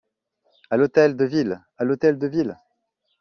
À l’Hôtel de Ville! à l’Hôtel de Ville !